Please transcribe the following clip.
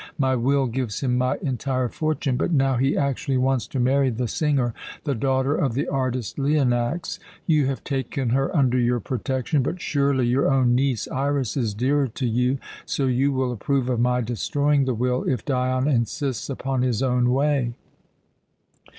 My will gives him my entire fortune; but now he actually wants to marry the singer, the daughter of the artist Leonax. You have taken her under your protection, but surely your own niece, Iras, is dearer to you, so you will approve of my destroying the will if Dion insists upon his own way.